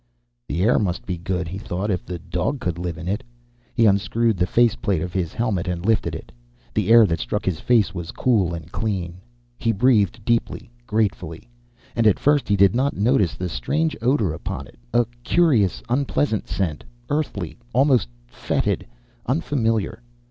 The air must be good, he thought, if the dog could live in it. He unscrewed the face plate of his helmet, and lifted it. The air that struck his face was cool and clean. He breathed deeply, gratefully. And at first he did not notice the strange odor upon it: a curious, unpleasant scent, earthly, almost fetid, unfamiliar.